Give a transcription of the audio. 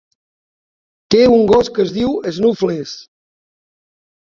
Té un gos que es diu Snuffles.